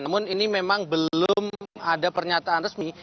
namun ini memang belum ada pernyataan resmi